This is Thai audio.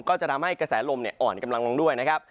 ก็จะทำให้กระแสลมอ่อนกำลังลงด้วยนะครับ